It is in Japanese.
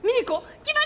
決まり！